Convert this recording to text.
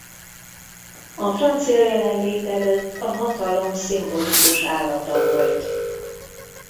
A francia jelenlét előtt a hatalom szimbolikus állata volt.